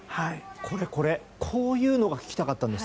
これ、こういうのが聞きたかったんです。